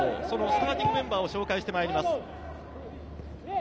そのスターティングメンバーを紹介します。